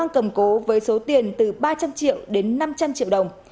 cầm cố với số tiền từ ba trăm linh triệu đến năm trăm linh triệu đồng